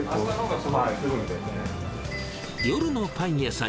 夜のパン屋です。